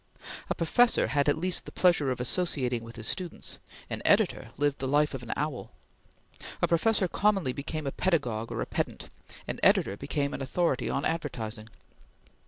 A professor had at least the pleasure of associating with his students; an editor lived the life of an owl. A professor commonly became a pedagogue or a pedant; an editor became an authority on advertising.